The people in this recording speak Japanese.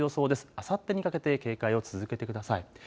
あさってにかけて警戒を続けてください。